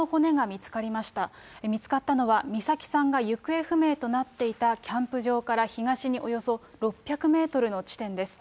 見つかったのは、美咲さんが行方不明となっていたキャンプ場から東におよそ６００メートルの地点です。